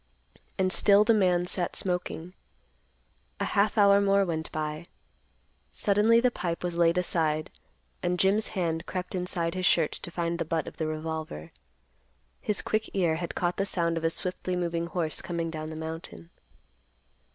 And still the man sat smoking. A half hour more went by. Suddenly the pipe was laid aside, and Jim's hand crept inside his shirt to find the butt of the revolver. His quick ear had caught the sound of a swiftly moving horse coming down the mountain.